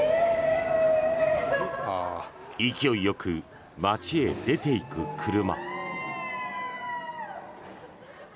勢いよく街へ出ていく車。